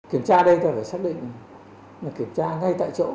kiểm tra đây ta phải xác định là kiểm tra ngay tại chỗ